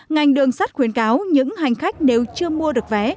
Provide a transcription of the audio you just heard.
ngành đường sắt khuyến cáo những hành khách đều chưa mua được vé